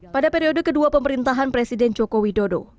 pada periode kedua pemerintahan presiden joko widodo